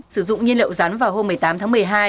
sử dụng nhiên liệu rắn vào hôm một mươi tám tháng một mươi hai